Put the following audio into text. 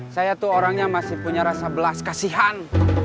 saya tuh orangnya masih punya rasa belas kasihan